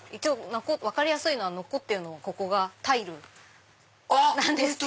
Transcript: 分かりやすいのが残ってるのはここがタイルなんです。